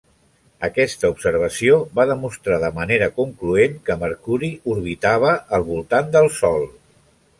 Aquesta observació va demostrar de manera concloent que Mercuri orbitava al voltant del Sol.